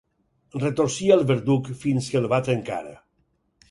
Retorcia el verduc fins que el va trencar.